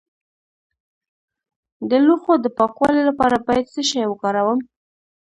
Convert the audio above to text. د لوښو د پاکوالي لپاره باید څه شی وکاروم؟